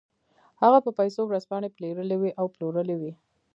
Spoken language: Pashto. هغه په پیسو ورځپاڼې پېرلې وې او پلورلې وې